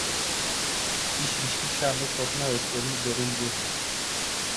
Иш Бишкек шаардык сотуна өткөрүлүп берилди.